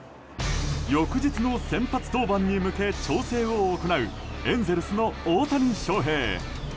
翌日の先発登板に向け調整を行うエンゼルスの大谷翔平。